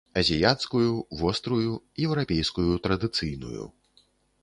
Азіяцкую, вострую, еўрапейскую традыцыйную.